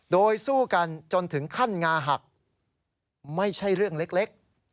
โดยสู้กันจนถึงขั้นงาหักไม่ใช่เรื่องเล็ก